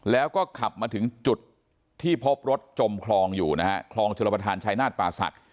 แล้วก็ขับมาถึงจุดที่พบรถจมคลองอยู่นะฮะคลองชลประธานชายนาฏป่าศักดิ